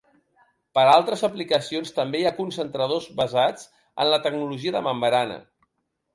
Per a altres aplicacions també hi ha concentradors basats en la tecnologia de membrana.